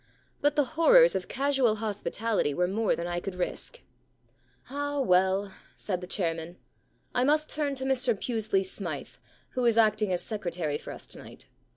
But the horrors of casual hospitality were more than I could risk.' * Ah, well,' said the chairman, * I must turn to Mr Pusely Smythe, who is acting as secretary for us to night.